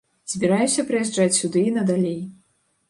Збіраюся прыязджаць сюды і надалей.